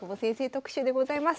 特集でございます。